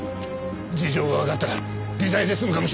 事情がわかったら微罪で済むかもしれん。